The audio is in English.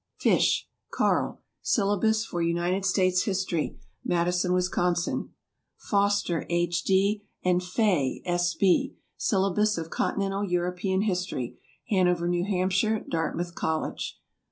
FISH, CARL. "Syllabus for United States History." Madison, Wis. FOSTER, H. D., and FAY, S. B. "Syllabus of Continental European History." Hanover, N. H., Dartmouth College.